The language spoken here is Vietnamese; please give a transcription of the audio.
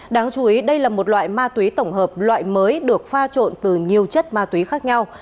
đáng chú ý đây là một loại ma túy tổng hợp loại mới được pha trộn từ nhiều chất ma túy khác nhau